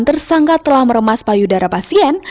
tersangka telah meremas payudara pasien